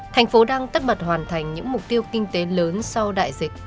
thành phố đang tất bật hoàn thành những mục tiêu kinh tế lớn sau đại dịch